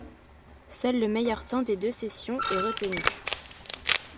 Seul le meilleur temps des deux sessions est retenu.